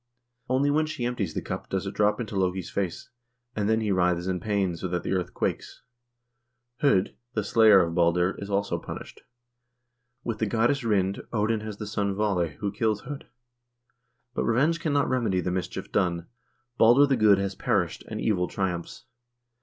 Only when she empties the cup does it drop into Loke's face, and then he writhes in pain so that the earth quakes. H0d, the slayer of Balder, is also punished. With the goddess Rind, Odin has the son Vaale, who kills H0d. But revenge cannot remedy the mischief done. Balder the Good has perished, and evil triumphs.